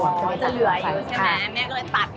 มันจะเหลืออยู่ใช่ไหมแม่ก็เลยตัด